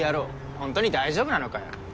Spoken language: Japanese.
ホントに大丈夫なのかよ